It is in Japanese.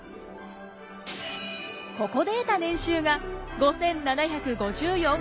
ここで得た年収が５，７５４万円でした。